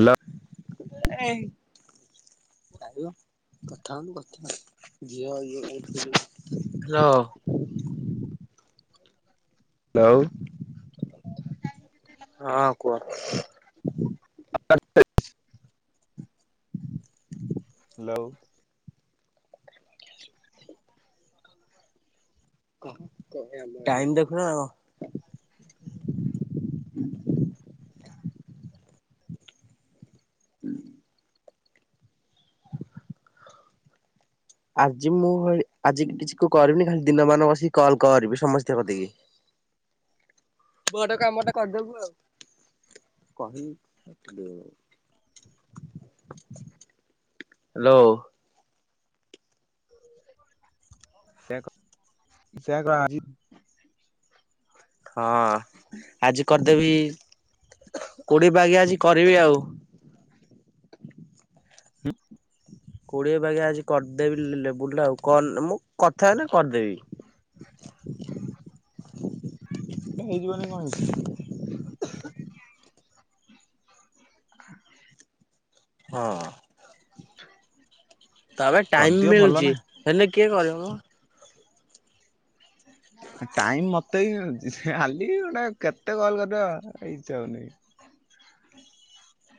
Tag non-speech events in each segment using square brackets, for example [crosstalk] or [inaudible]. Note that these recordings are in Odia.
ହାଲୋ। ଏଇ ହାଲୋ। [unintelligible] ହଁ କୁହ। ହାଲୋ। ଟାଇମ୍ ଦେଖୁଚ ନା କଣ? ହ ଆଜି ମୁଁ [unintelligible] ଆଜି କିଛି କୁ କରିବିନି ଖାଲି ଦିନ ମାନ ବସିକି କଲ୍ କରିବି ସମସ୍ତିଙ୍କ କତିକି। ଆ ବଡ କାମ ଟା କରିଦବୁ ଆଉ। ହାଲୋ। [inaudible] ହଁ ଆଜି କରିଦେବି, କୋଡିିଏ ବାଗିଆ ଆଜି କରିବି ଆଉ। ହଁ କୋଡିଏ ବାଗିଆ ଆଜି କରିଦେବି ଲେବୁଲ୍ ଆଉ [unintelligible] ମୁଁ କଥାହେନେ କରିଦେବି। ହେଇଯିବନି କଣ ହେଇଛି। ହଁ ତାପରେ ଟାଇମ୍ କରିଦିଅ ଭଲ ନା ମିଳୁଚି। ହେଲେ କିଏ କରିବ ମ? ଆ ଟାଇମ୍ ମ ମତେ ବି ମିଳୁଚି, ଖାଲି ଗୋଟେ କେତେ କଲ୍ କରିବ, ଆଉ ଇଚ୍ଛା ହଉନି।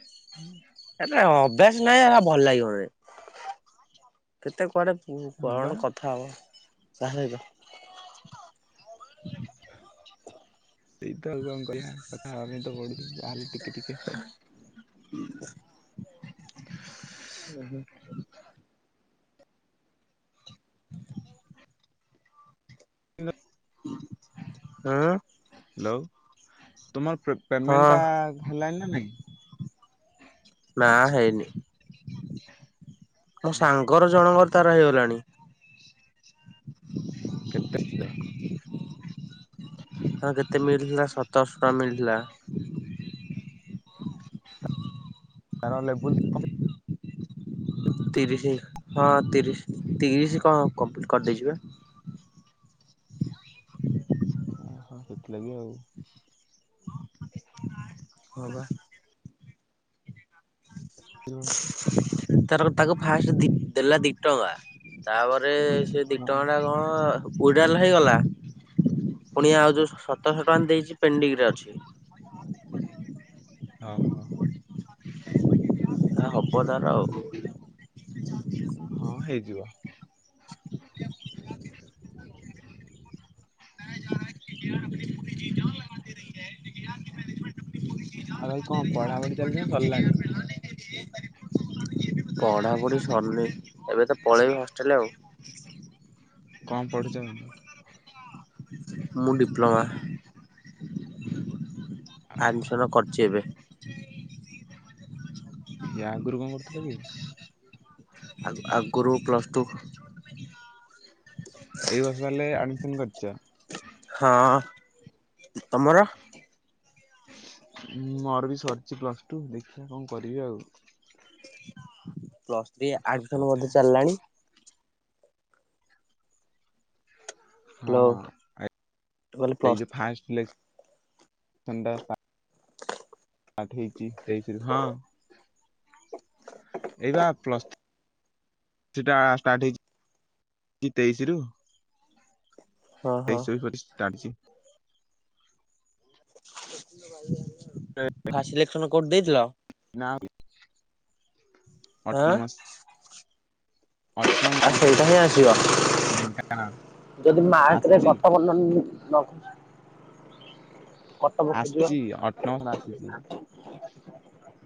[inaudible] ଆରେ ଅଭ୍ୟାସ ନହିଁ ହେରା ଭଲ ଲାଗିବନି, କେତେ କୁଆଡେ ହଁ ବା। କଣ କଥା ହବ ସେଇ ତ ଆଉ କଣ କହିବା କଥା ହବା ପାଇଁ ତ ପଡୁଚି, ଯାହେଲେ ଟିକେ-ଟିକେ [inaudible] [unintelligible] [inaudible] [unintelligible] [inaudible] ହଁ ହାଲୋ, ତୁମର [unintelligible] ହଁ ପେମେଣ୍ଟ ଟା ହେଲାଣିି ନା ନାଇଁ? ନା ହେଇନି, ମୋ ସାଙ୍ଗର ଜଣଙ୍କର ତାର ହେଇଗଲାଣି। କେତେ [unintelligible] [unintelligible] ତାର କେତେ ମିଳିଥିଲା ସତରଶ ଟଙ୍କା ମିଳିଥିଲା। ତାର ଲେବୁଲ୍ [unintelligible] ତିରିଶି ହଁ ତିରିଶ୍ ତିରିଶି କଣ କରିଦେଇଚି ବା। ସେଥିଲାଗି ଆଉ। ହଁ ବା। [unintelligible] ତାର ତାକୁ ଫାଷ୍ଟ ଦେଲା ଦି ଟଙ୍କା, ତାପରେ ସିଏ ଦି ଓହୋ ଟଙ୍କା ଟା କଣ ୱିଡ୍ରାଲ୍ ହେଇଗଲା, ପୁଣି ଆଉ ଯୋଉ ସତରଶହ ଟଙ୍କା ଦେଇଚି ପେଣ୍ଡିଙ୍ଗ ରେ ଅଛି। ଅହ। ହବ ତାର ଆଉ। ହଁ ହେଇଯିବ। ଆଉ ଭାଇ କଂ ପଢା ପଢି ଚାଲିଚି ନା ସରିଲାଣି। [unintelligible] ପଢାପଢି ସରନେଇ ଏବେ ତ ପଳେଇବି ହଷ୍ଟେଲ ଆଉ। କଂ ପଢୁଚ। ମୁଁ ଡିପ୍ଲୋମା। ଆ ଆଡ୍ମିଶନ କରିଚି ଏବେ। ୟା ଆଗୁରୁ କ କରୁଥିଲ କି? [inaudible] ଆ ଆଗୁରୁ ପ୍ଲସ ଟୁ ଏଇ ବର୍ଷ ହେଲେ ଆଡମିସନ କରିଚ। ହଁ ତମର। ମୋର ବି ସରିଛି ପ୍ଲସ ଟୁ ଦେଖିବା କଣ କରିବି ଆଉ। ପ୍ଲସ ଥ୍ରୀ ଆଡମିସନ କଥା ବୋଧେ ଚାଲ୍ଲାଣି। ହଁ ହ୍ୟାଲୋ ମୁଁ ଏ କହିଲି ଏଇ ପ୍ଲସ ଯୋଉ ଫାସ ଲିସ୍ [unintelligible] [unintelligible] ହଁ ଏଇ ବା ପ୍ଲସ୍ ଥ୍ରି ଟା ଷ୍ଟାର୍ଟ ହେଇଚି ଏ ତେଇଶି ରୁ। ହଁ ହଁ। ତେଇଶି ରୁ ପଚିଶି [unintelligible] [unintelligible] [inaudible] ଫାସ୍ ସିଲେକ୍ସନ କୋଉଠି ଦେଇଥିଲ। ନାମ୍ [inaudible] ହଁ ଅଟନମସ୍। [unintelligible] ସେଇଟା ହିଁ ଆସିବ ଢେଙ୍କାନାଳ ଯଦି ମାର୍କ ରେ ଆସିଛି [inaudible] କଟପ ଖୋଜିବ ଆସିଛି [inaudible] ଅଟୋନମସ ଆସିଛି [unintelligible]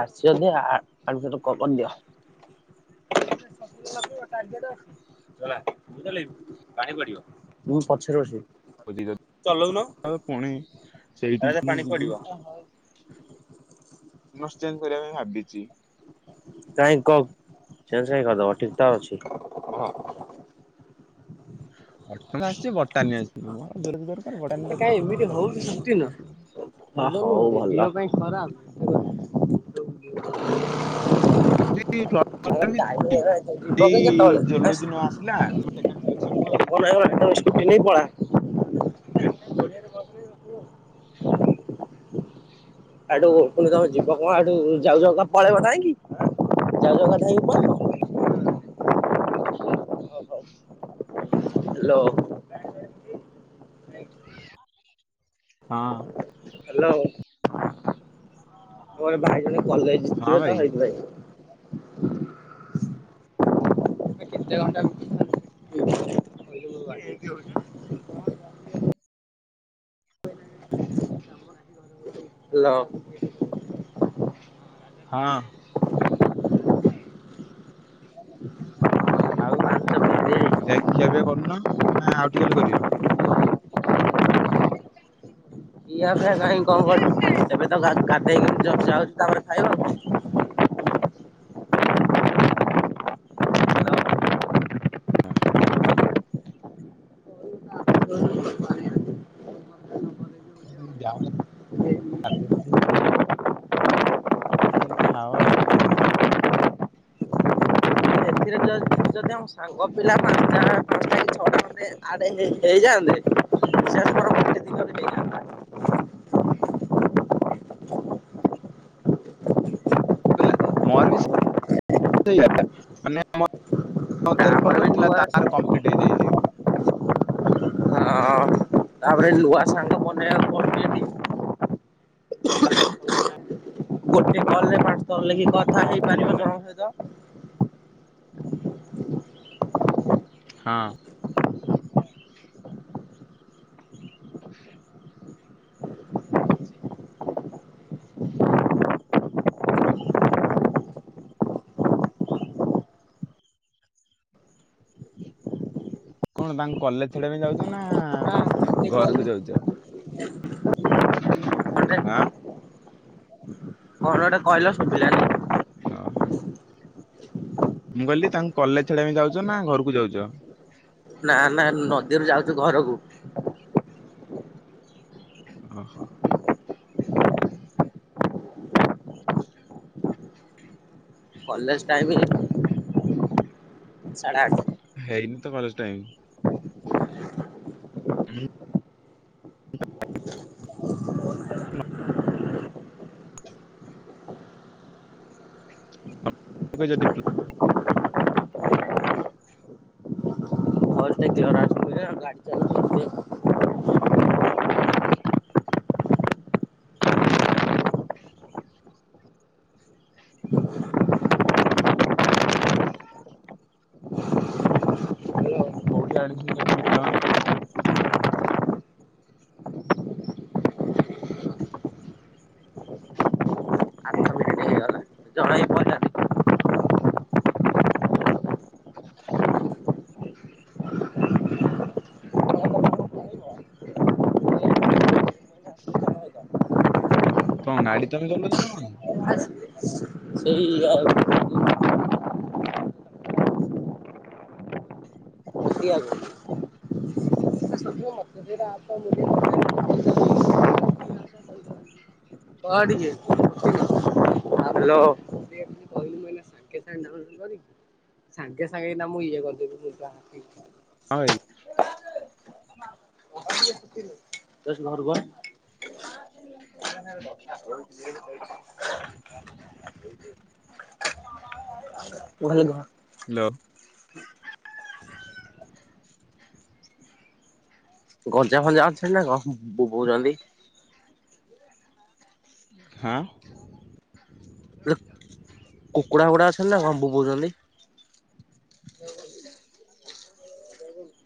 ଆସିଚି ଯଦି ଆ ଆ ଆଡମିଶନ୍ କ କର୍ଦିଅ। [inaudible] [unintelligible] [unintelligible] ପୁଣି ସେଇଠିକି ହିଁ ଯିବି। ନର୍ସିଂ କରିବା ପାଇଁ ଭାବିଚି। [unintelligible] [unintelligible] [inaudible] [unintelligible] [unintelligible] କି ଜୁଲୋଜି ନ ଆସିଲା ସେକେଣ୍ଡ ସିଲେକ୍ସନ [unintelligible] [inaudible] କୁ ଆଉ। ଆଡୁ ମୁଁ କନି ତମେ ଯିବ କଣ ଆଡୁ ଯାଇ ଜାଇକା ପକେଇବ ଧାଇଁକି ଯାଉ ଯାଉକା ଧାଇଁକି ପକେଇବ। ହାଲୋ। ହଁ। ହାଲୋ। ମୋର ଭାଇ ଜଣେ କଲେଜ ହଁ ଭାଇ ଜିବେତ ସେଇଥିପାଇ। ଏ କେତେ ଘଣ୍ଟା କୁ ଓହୋଃ। [unintelligible] ହାଲୋ। ହଁ। ଆଉ ଯାଇକି ଖିଆ ପିଆ କରୁନ, ନା ଆଉ ଟିକେ ଗଲେ କରିବ? [inaudible] [unintelligible] ଏବେ ତ ଗ-ଗାଧେଇକି ଯ-ଯାଉଛି ତାପରେ ଖାଇବ। ନାଁ। କଣ। [unintelligible] [unintelligible] ଖାଅ ଆଉ। ଏଥିରେ ଯଦି ଆମ ସାଙ୍ଗ ପିଲା ପାଞ୍ଚଟା-ପାଞ୍ଚଟା କି ଛଅଟା ଖଣ୍ଡେ ଆଡ଼୍ ହେ-ହେଇ-ହେଇ ଯାଆନ୍ତେ [inaudible] [inaudible] [unintelligible] ମୋର ବି [unintelligible] ମାନେ [unintelligible] ମତେ ତାପରେ ରେଫର ବି କରିଥିଲା, ନୂଆ ତାର କମ୍ପ୍ଲିଟ ହେଇଯାଇଛି। ହଁ ତାପରେ ନୂଆ ସାଙ୍ଗ ବନେଇବାକୁ [unintelligible] ତାଙ୍କୁ ତ ମାନେ ଗୋଟେ କଲ୍ ରେ ପାଞ୍ଚ ଥର ଲେଖି ମିଳିଥାନ୍ତା କଥା ମୋର ବି ହେଇପାରିବ ହେଇଯାନ୍ତାନି। ଜଣଙ୍କ ସହିତ। [inaudible] ହଁ। [inaudible] [inaudible] କଣ ତାଙ୍କୁ କଲେଜ ଛଡିଆ ପାଇଁ ଯାଉଛ ନା ହଁ ଆ କିଏ କହିଲୁ? ଘରକୁ ଯାଉଛ? ହାଁ? କଣ ଗୋଟେ କହିଲ ଶୁଭିଲାନି। ଅହଃ, ମୁଁ କହିଲି ତାଙ୍କୁ କଲେଜ ଛାଡିବା ପାଇଁ ଯାଉଚ ନା ଘରକୁ ଯାଉଚ? ନା ନା ନଦୀରୁ ଯାଉଚୁ ଘରକୁ। ଓହୋଃ। [inaudible] କଲେଜ ଟାଇମ୍ ରେ ସାଢ଼େ ଆଠ। ହେଇନି ତ କଲେଜ ଟାଇମ୍। ଏବେ ଯଦି [unintelligible] [unintelligible] କୋଉଠି ଆଡମିସନ କରିଛ ଡିପ୍ଲୋମା? [inaudible] [inaudible] ଜଣା ଇ ପଇଲାନି। କଣ ଗାଡ଼ି ତମେ ଚଲଉଛ ନା କଣ? [inaudible] ସେଇ ଅ ପଦିଆକୁ। [unintelligible] ହ୍ୟାଲୋ। ସାଙ୍ଗେ ସାଙ୍ଗେ ଏଇନା ମୁଁ ଇଏ କରିଦେବି ସେଟା ଏଟା। ଐ [unintelligible] ଦଶନ୍ ଘରୁକୁ ଆଁ। [inaudible] [inaudible] ମୁ କାଲି ଘ ହାଲୋ। ଗଞ୍ଜା ଫଞ୍ଜା ଅଛନ୍ତି ନା କଣ ବୋବଉଚନ୍ତି? ହା କୁକୁଡା ଗୁରା ଅଛନ୍ତି ନା କଣ ବୋବଉଚନ୍ତି? [inaudible]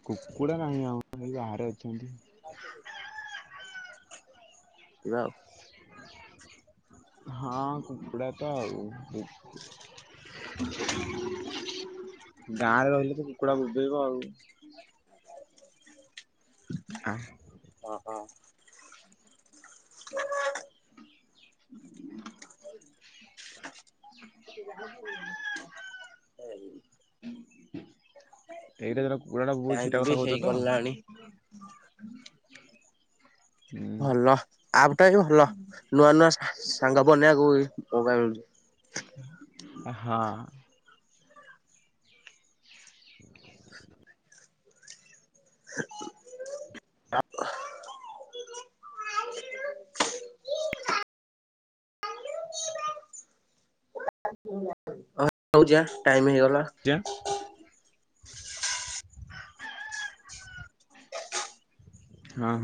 କୁକୁଡ଼ା ନାହିଁ ଆମର ଏଇ ବାହାରେ ଅଛନ୍ତି। [inaudible] ଏଇଆ ଆଉ। ହଁ କୁକୁଡ଼ା ତ ଆଉ ବୁକୁ ଗାଁରେ ରହିଲେ ତ କୁକୁଡା ବୋବେଇବ ଆଉ। ଆଁ ଅହଁ। [unintelligible] [unintelligible] ଏଇଟା କୁକୁଡ଼ା ଟା ବୋବୋଉଚି ସେଟା କଥା ଟାଇମ ବି କହୁଚ ତ ହେଇଗଲାଣି ହୁଁ ଭଲ ଆପ୍ ଟା ବି ଭଲ ନୂଆ ନୂଆ ସା-ସାଙ୍ଗ ବନେଇବାକୁ ବି ମୋଉକା ମିଳୁଚି। ହଁ। [inaudible] ରଉଛି ଆଁ ଟାଇମ ହେଇଗଲା। ଟିଆଁ ହଁ ହଁ।